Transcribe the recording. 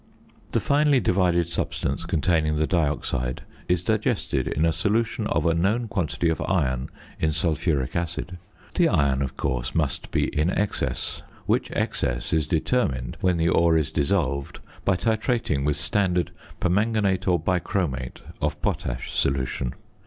The finely divided substance containing the dioxide is digested in a solution of a known quantity of iron in sulphuric acid. The iron, of course, must be in excess, which excess is determined when the ore is dissolved by titrating with standard permanganate or bichromate of potash solution.